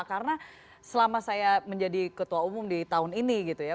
karena selama saya menjadi ketua umum di tahun ini gitu ya